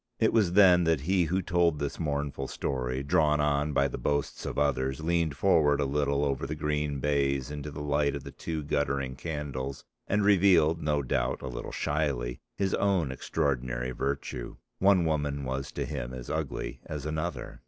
It was then that he who told this mournful story, drawn on by the boasts of others, leaned forward a little over the green baize into the light of the two guttering candles and revealed, no doubt a little shyly, his own extraordinary virtue. One woman was to him as ugly as another.